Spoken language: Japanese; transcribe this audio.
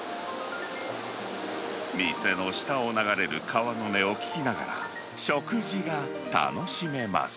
店の下を流れる川の音を聞きながら、食事が楽しめます。